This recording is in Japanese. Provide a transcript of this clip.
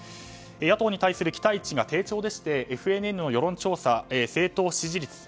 野党に対する期待値が低調でしてＦＮＮの世論調査、政党支持率。